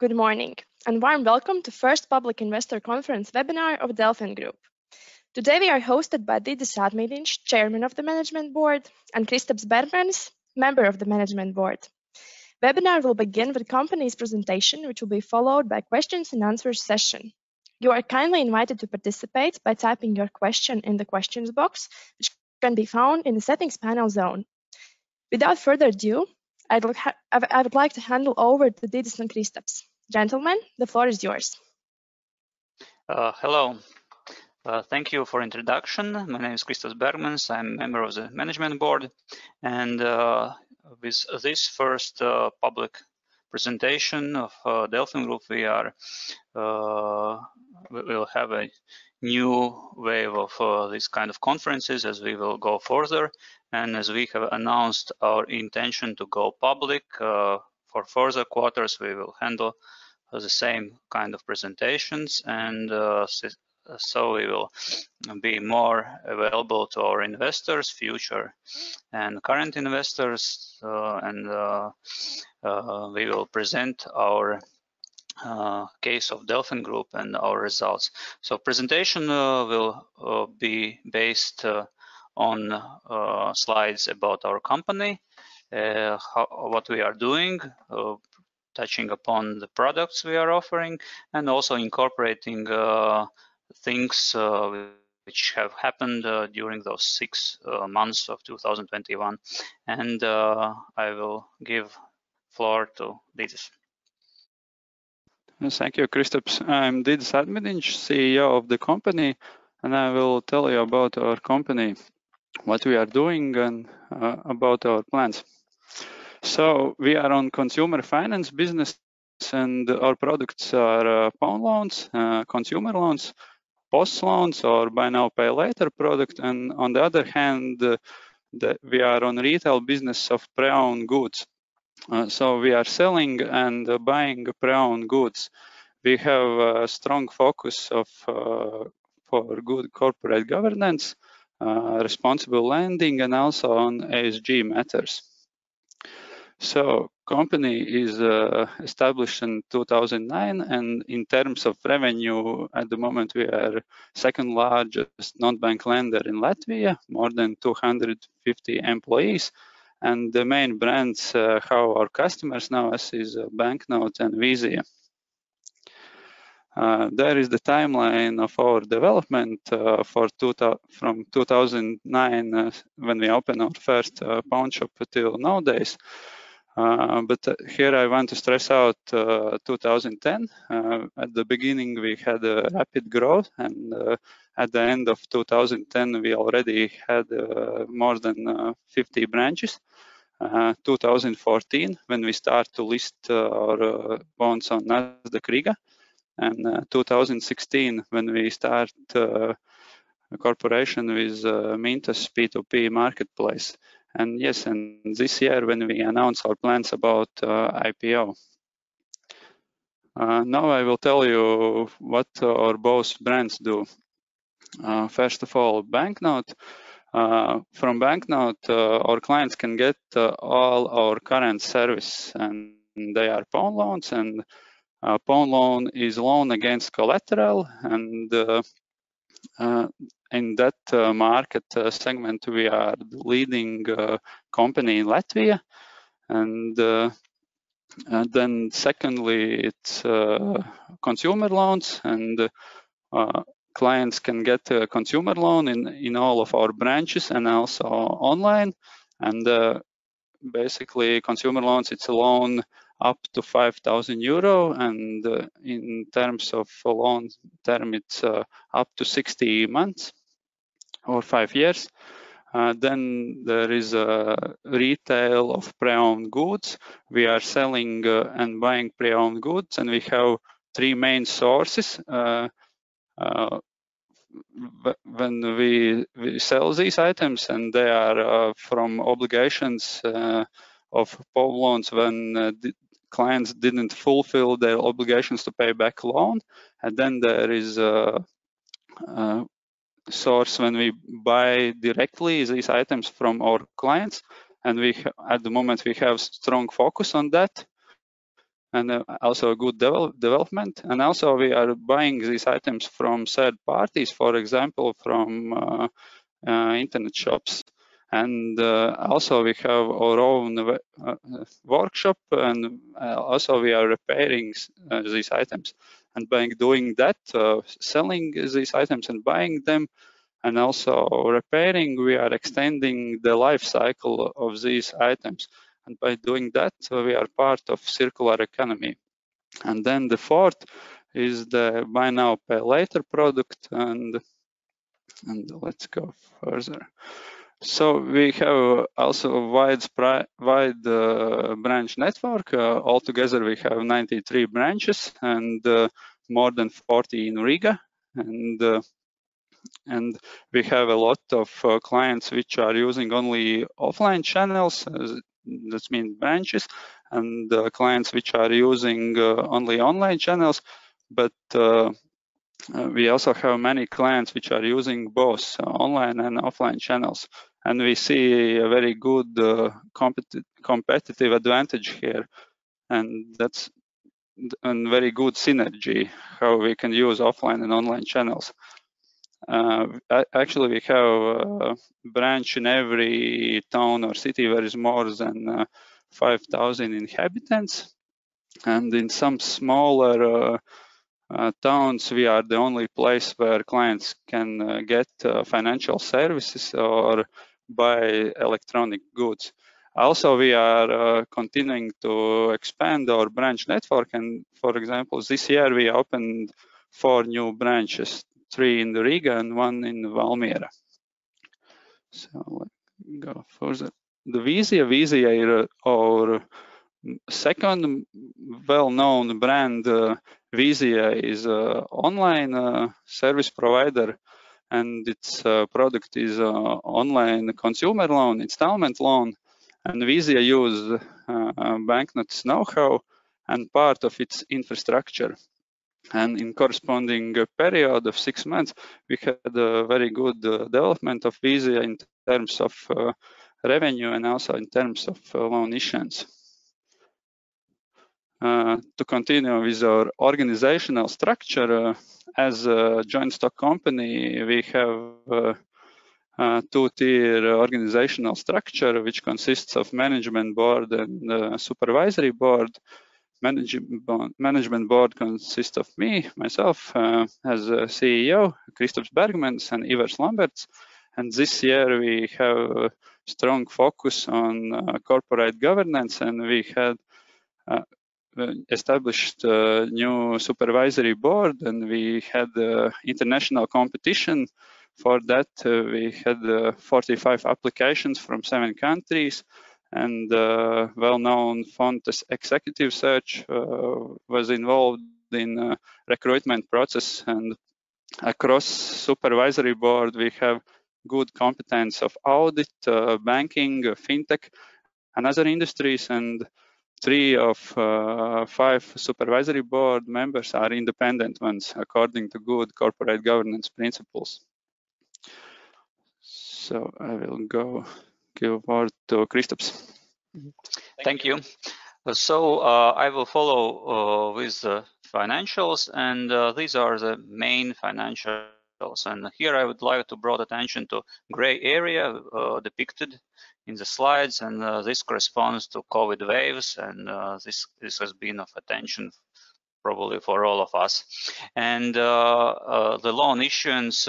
Good morning. A warm welcome to first public investor conference webinar of DelfinGroup. Today we are hosted by Didzis Ādmīdiņš, Chairman of the Management Board, and Kristaps Bergmanis, Member of the Management Board. Webinar will begin with company's presentation, which will be followed by questions and answer session. You are kindly invited to participate by typing your question in the questions box, which can be found in the settings panel zone. Without further ado, I would like to hand over to Didzis and Kristaps. Gentlemen, the floor is yours. Hello. Thank you for introduction. My name is Kristaps Bergmanis. I'm Member of the Management Board, with this first public presentation of DelfinGroup, we will have a new wave of these kind of conferences as we will go further. As we have announced our intention to go public, for further quarters, we will handle the same kind of presentations. We will be more available to our investors, future and current investors. We will present our case of DelfinGroup and our results. Presentation will be based on slides about our company, what we are doing, touching upon the products we are offering, and also incorporating things which have happened during those six months of 2021. I will give floor to Didzis. Thank you, Kristaps. I'm Didzis Ādmīdiņš, CEO of the company, and I will tell you about our company, what we are doing, and about our plans. We are on consumer finance business, and our products are pawn loans, consumer loans, POS loans or buy now, pay later product. On the other hand, we are on retail business of pre-owned goods. We are selling and buying pre-owned goods. We have a strong focus for good corporate governance, responsible lending, and also on ESG matters. Company is established in 2009, and in terms of revenue, at the moment, we are second largest non-bank lender in Latvia, more than 250 employees. The main brands how our customers know us is Banknote and VIZIA. There is the timeline of our development from 2009, when we opened our first pawn shop, until nowadays. Here I want to stress out 2010. At the beginning, we had a rapid growth, and at the end of 2010, we already had more than 50 branches. 2014, when we start to list our bonds on Nasdaq Riga. 2016, when we start a cooperation with Mintos P2P marketplace. This year when we announced our plans about IPO. Now I will tell you what our both brands do. First of all, Banknote. From Banknote, our clients can get all our current service, and they are pawn loans. Pawn loan is loan against collateral, and in that market segment, we are the leading company in Latvia. Secondly, it's consumer loans and clients can get a consumer loan in all of our branches and also online. Basically, consumer loans, it's a loan up to 5,000 euro, and in terms of loan term, it's up to 60 months or five years. There is a retail of pre-owned goods. We are selling and buying pre-owned goods, and we have three main sources. When we sell these items, and they are from obligations of pawn loans when the clients didn't fulfill their obligations to pay back loan. There is a source when we buy directly these items from our clients, and at the moment, we have strong focus on that and also a good development. Also we are buying these items from third parties, for example, from internet shops. Also we have our own workshop and also we are repairing these items. By doing that, selling these items and buying them and also repairing, we are extending the life cycle of these items. By doing that, we are part of circular economy. The fourth is the buy now, pay later product. Let's go further. We have also a wide branch network. Altogether, we have 93 branches and more than 40 in Riga. We have a lot of clients which are using only offline channels, this mean branches, and clients which are using only online channels. We also have many clients which are using both online and offline channels, and we see a very good competitive advantage here, and very good synergy how we can use offline and online channels. Actually, we have a branch in every town or city where there's more than 5,000 inhabitants. In some smaller towns, we are the only place where clients can get financial services or buy electronic goods. We are continuing to expand our branch network and, for example, this year we opened four new branches, three in Riga and one in Valmiera. Let me go further. The VIZIA. VIZIA is our second well-known brand. VIZIA is an online service provider, and its product is an online consumer loan, installment loan. VIZIA uses Banknote's know-how and part of its infrastructure. In corresponding period of six months, we had a very good development of VIZIA in terms of revenue and also in terms of loan issuance. To continue with our organizational structure, as a joint stock company, we have a two-tier organizational structure, which consists of management board and a supervisory board. Management board consists of me, myself, as CEO, Kristaps Bergmanis, and Ivars Lamberts. This year we have a strong focus on corporate governance, and we had established a new supervisory board, and we had international competition for that. We had 45 applications from seven countries. A well-known executive search was involved in the recruitment process. Across supervisory board, we have good competence of audit, banking, fintech, and other industries, and three of five supervisory board members are independent ones according to good corporate governance principles. I will give over to Kristaps. Thank you. I will follow with the financials and these are the main financials. Here, I would like to draw attention to gray area depicted in the slides. This corresponds to COVID waves and this has been of attention probably for all of us. The loan issuance,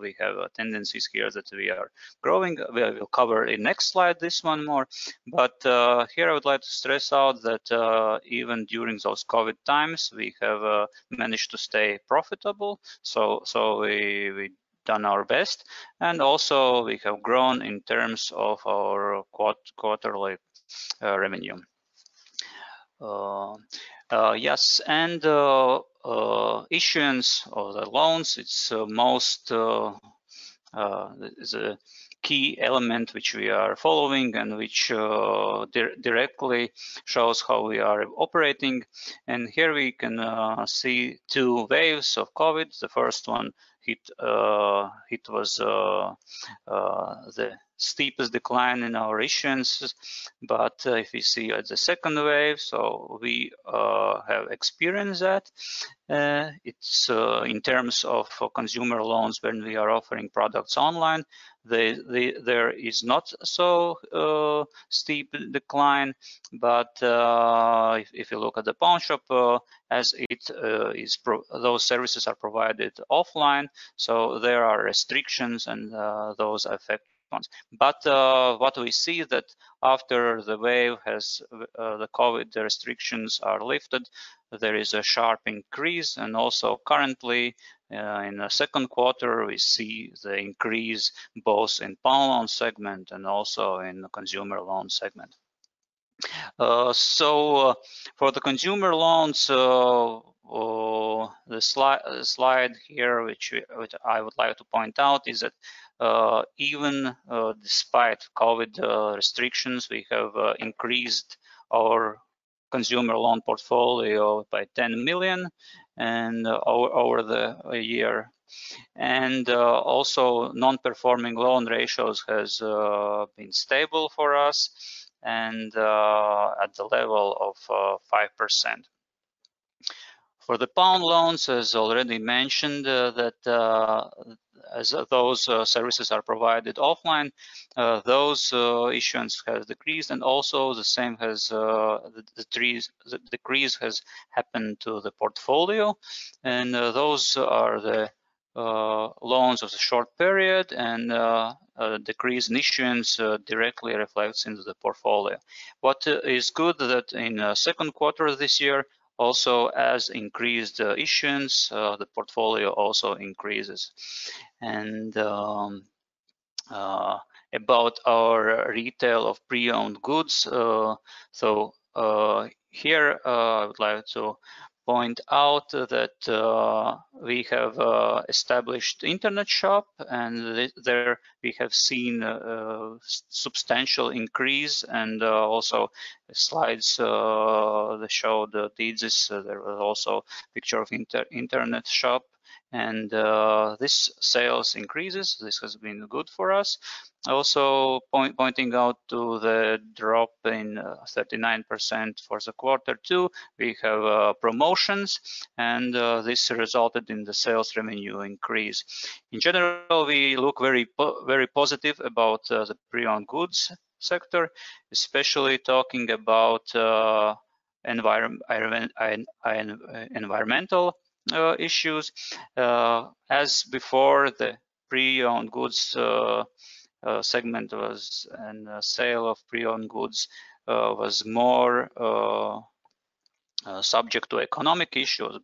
we have tendencies here that we are growing. We will cover in next slide this one more. Here I would like to stress out that even during those COVID times, we have managed to stay profitable, so we've done our best. Also we have grown in terms of our quarterly revenue. Yes, issuance of the loans, it's the key element which we are following and which directly shows how we are operating. Here we can see two waves of COVID. The first one hit, it was the steepest decline in our issuance. If you see the second wave, we have experienced that. In terms of consumer loans, when we are offering products online, there is not so steep decline. If you look at the pawnshop, as those services are provided offline, there are restrictions and those affect pawns. What we see that after the COVID restrictions are lifted, there is a sharp increase. Also currently, in the second quarter, we see the increase both in pawn loan segment and also in the consumer loan segment. For the consumer loans, the slide here which I would like to point out is that even despite COVID restrictions, we have increased our consumer loan portfolio by 10 million and over the year. Also non-performing loan ratios has been stable for us and at the level of 5%. For the pawn loans, as already mentioned, as those services are provided offline, those issuance has decreased and also the same decrease has happened to the portfolio. Those are the loans of the short period and decrease in issuance directly reflects into the portfolio. What is good that in second quarter this year, also as increased issuance, the portfolio also increases. About our retail of pre-owned goods. Here I would like to point out that we have established internet shop and there we have seen a substantial increase and also slides they show the thesis. There was also a picture of internet shop and this sales increases. This has been good for us. Also pointing out to the drop in 39% for the quarter two. We have promotions and this resulted in the sales revenue increase. In general, we look very positive about the pre-owned goods sector, especially talking about environmental issues. Before, the pre-owned goods segment and sale of pre-owned goods was more subject to economic issues.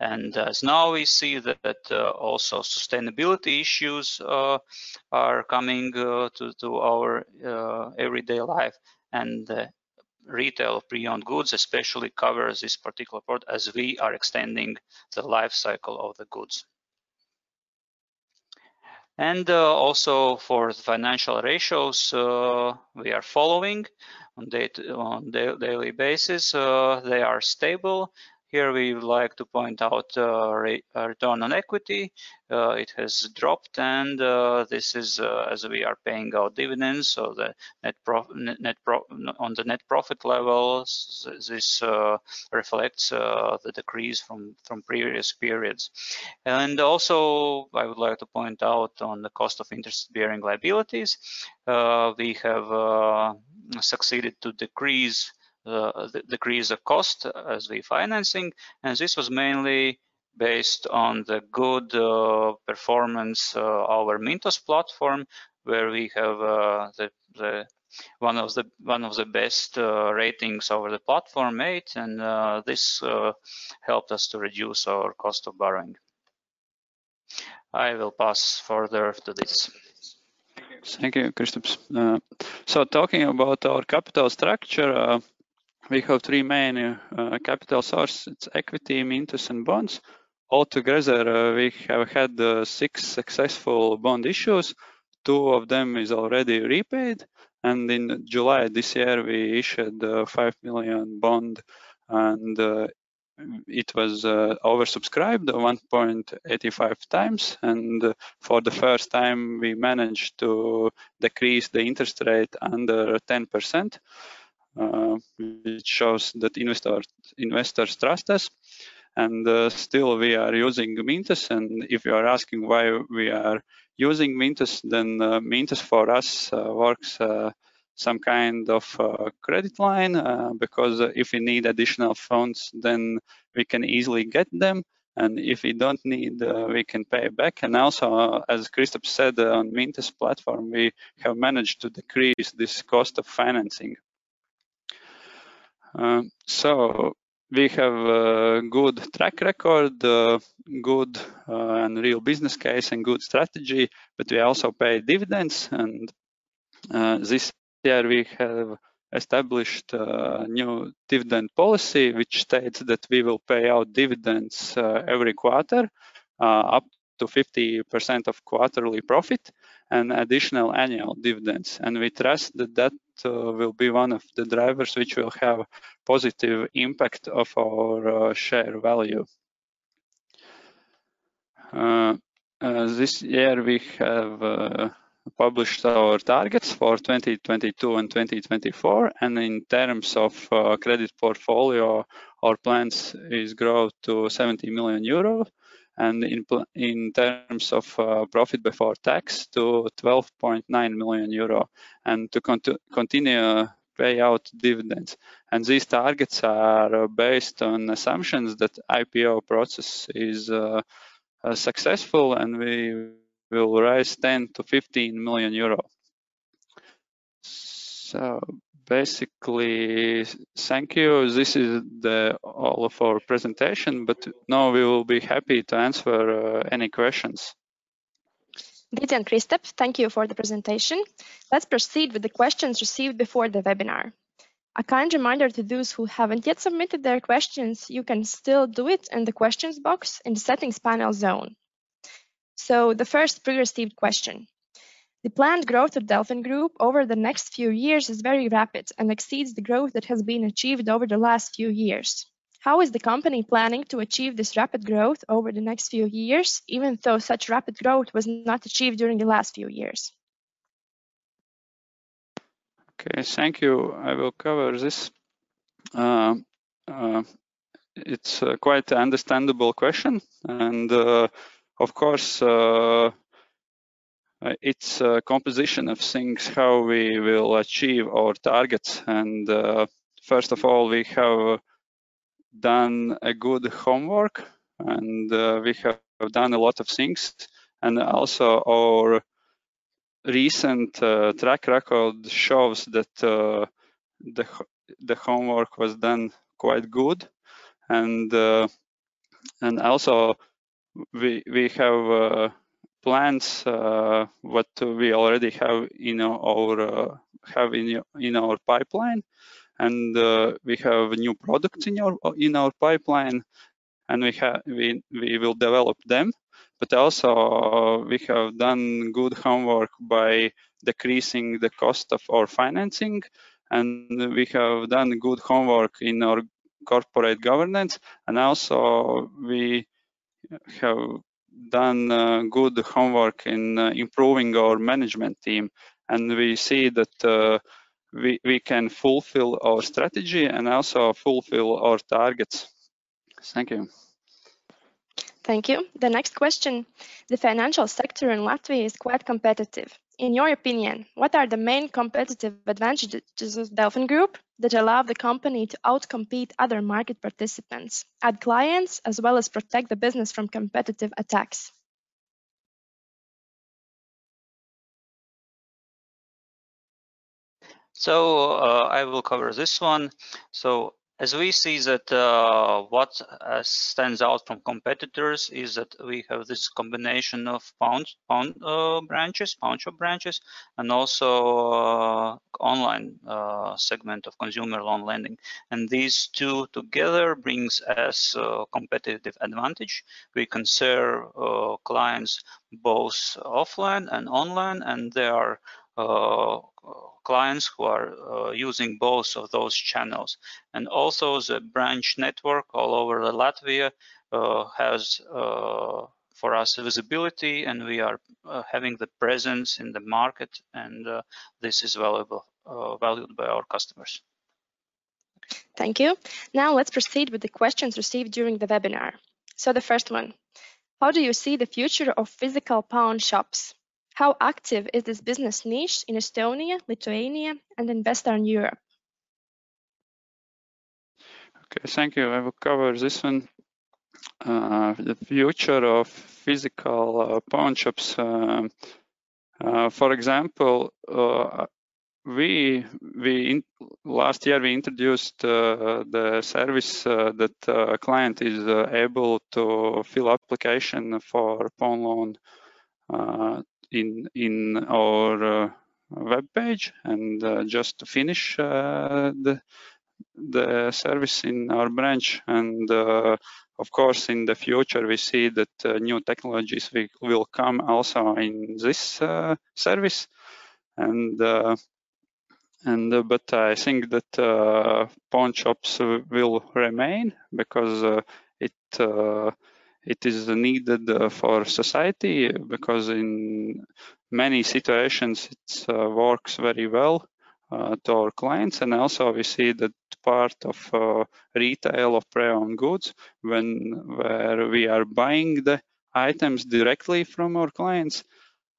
As now we see that also sustainability issues are coming to our everyday life and the retail of pre-owned goods especially covers this particular part as we are extending the life cycle of the goods. Also for financial ratios, we are following on daily basis. They are stable. Here we would like to point out return on equity. It has dropped and this is as we are paying our dividends, so on the net profit levels, this reflects the decrease from previous periods. Also I would like to point out on the cost of interest-bearing liabilities. We have succeeded to decrease the cost as we financing, this was mainly based on the good performance our Mintos platform, where we have one of the best ratings over the platform made and this helped us to reduce our cost of borrowing. I will pass further to Didzis. Thank you, Kristaps. Talking about our capital structure, we have three main capital source. It's equity, Mintos and bonds. Altogether, we have had six successful bond issues. Two of them is already repaid and in July this year, we issued 5 million bond and it was oversubscribed 1.85 times and for the first time we managed to decrease the interest rate under 10%, which shows that investors trust us. Still we are using Mintos. If you are asking why we are using Mintos for us works some kind of credit line, because if we need additional funds, we can easily get them, and if we don't need, we can pay back. Also, as Kristaps said, on Mintos platform, we have managed to decrease this cost of financing. We have a good track record, good and real business case and good strategy, but we also pay dividends and this year we have established a new dividend policy, which states that we will pay out dividends every quarter, up to 50% of quarterly profit and additional annual dividends. We trust that that will be one of the drivers which will have positive impact of our share value. This year we have published our targets for 2022 and 2024, in terms of credit portfolio, our plans is grow to 70 million euro and in terms of profit before tax to 12.9 million euro and to continue pay out dividends. These targets are based on assumptions that IPO process is successful and we will rise 10 million-15 million euro. Basically, thank you. This is all of our presentation, but now we will be happy to answer any questions. Didzi and Kristaps, thank you for the presentation. Let's proceed with the questions received before the webinar. A kind reminder to those who haven't yet submitted their questions, you can still do it in the questions box in the Settings panel zone. The first pre-received question. The planned growth of DelfinGroup over the next few years is very rapid and exceeds the growth that has been achieved over the last few years. How is the company planning to achieve this rapid growth over the next few years, even though such rapid growth was not achieved during the last few years? Okay. Thank you. I will cover this. It's quite understandable question and, of course, it's a composition of things how we will achieve our targets. First of all, we have done a good homework and we have done a lot of things. Also our recent track record shows that the homework was done quite good. Also we have plans, what we already have in our pipeline, and we have new products in our pipeline. We will develop them. Also we have done good homework by decreasing the cost of our financing, and we have done good homework in our corporate governance, and also we have done good homework in improving our management team. We see that we can fulfill our strategy and also fulfill our targets. Thank you. Thank you. The next question. The financial sector in Latvia is quite competitive. In your opinion, what are the main competitive advantages of DelfinGroup that allow the company to out-compete other market participants, add clients, as well as protect the business from competitive attacks? I will cover this one. As we see, what stands out from competitors is that we have this combination of pawn shop branches and also online segment of consumer loan lending. These two together brings us a competitive advantage. We can serve clients both offline and online, and there are clients who are using both of those channels. Also, the branch network all over Latvia has, for us, visibility, and we are having the presence in the market, and this is valued by our customers. Thank you. Let's proceed with the questions received during the webinar. The first one. How do you see the future of physical pawn shops? How active is this business niche in Estonia, Lithuania, and in Western Europe? Okay, thank you. I will cover this one. The future of physical pawn shops. For example, last year we introduced the service that a client is able to fill application for pawn loan in our webpage and just finish the service in our branch. Of course, in the future, we see that new technologies will come also in this service. I think that pawn shops will remain because it is needed for society because in many situations, it works very well to our clients. Also we see that part of retail of pre-owned goods, where we are buying the items directly from our clients,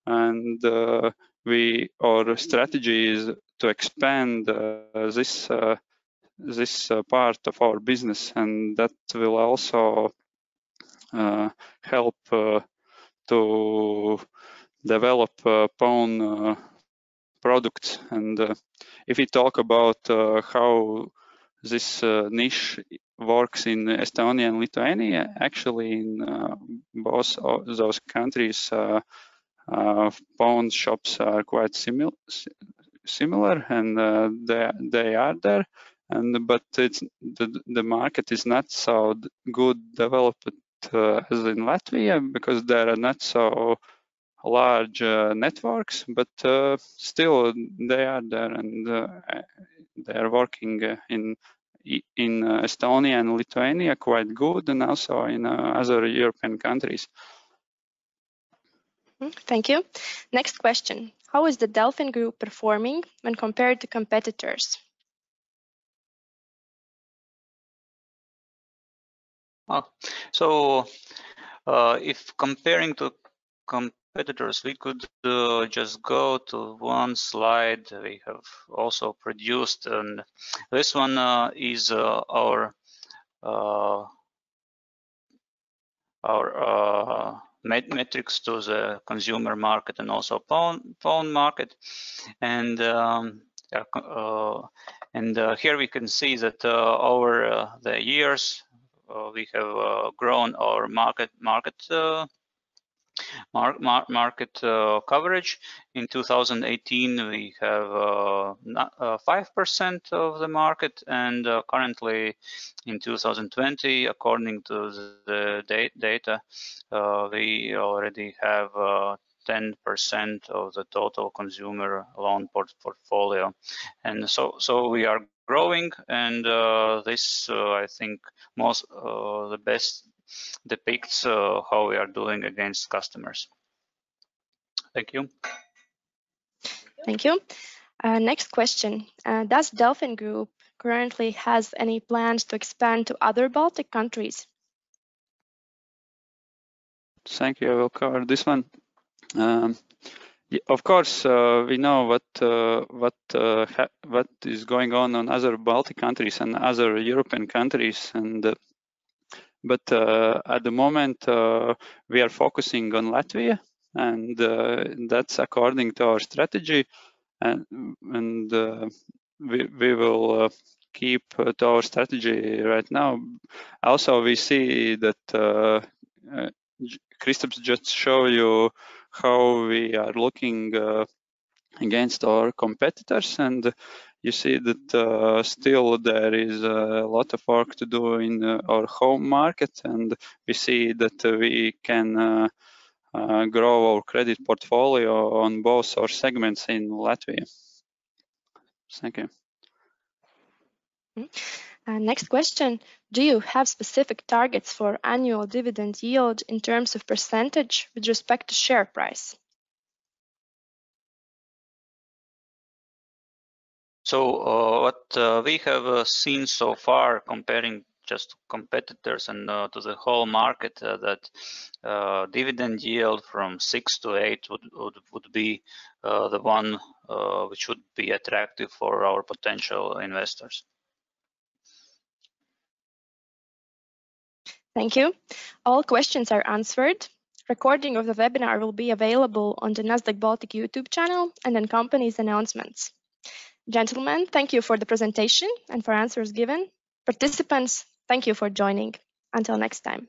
and our strategy is to expand this part of our business, and that will also help to develop pawn products. If we talk about how this niche works in Estonia and Lithuania, actually in both of those countries, pawn shops are quite similar, and they are there, but the market is not so good developed as in Latvia because there are not so large networks. Still, they are there, and they're working in Estonia and Lithuania quite good, and also in other European countries. Thank you. Next question. How is the DelfinGroup performing when compared to competitors? If comparing to competitors, we could just go to one slide we have also produced, this one is our metrics to the consumer market and also pawn market. Here we can see that over the years, we have grown our market coverage. In 2018, we have 5% of the market, currently in 2020, according to the data, we already have 10% of the total consumer loan portfolio. We are growing, and this, I think, best depicts how we are doing against competitors. Thank you. Thank you. Next question. Does DelfinGroup currently have any plans to expand to other Baltic countries? Thank you. I will cover this one. Of course, we know what is going on in other Baltic countries and other European countries, but at the moment, we are focusing on Latvia, and that's according to our strategy, and we will keep to our strategy right now. Also, Kristaps just showed you how we are looking against our competitors, and you see that still there is a lot of work to do in our home market, and we see that we can grow our credit portfolio on both our segments in Latvia. Thank you. Next question. Do you have specific targets for annual dividend yield in terms of percentage with respect to share price? What we have seen so far, comparing just competitors and to the whole market, that dividend yield from 6%-8% would be the one which would be attractive for our potential investors. Thank you. All questions are answered. Recording of the webinar will be available on the Nasdaq Baltic YouTube channel and in companies' announcements. Gentlemen, thank you for the presentation and for answers given. Participants, thank you for joining. Until next time